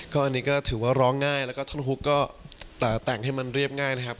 ก็อันนี้ก็ถือว่าร้องง่ายแล้วก็ท่อนฮุกก็แต่งให้มันเรียบง่ายนะครับ